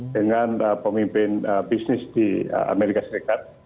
dengan pemimpin bisnis di amerika serikat